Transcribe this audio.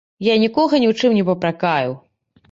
Я нікога ні ў чым не папракаю.